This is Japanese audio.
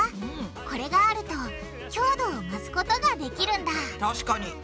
これがあると強度を増すことができるんだ確かに。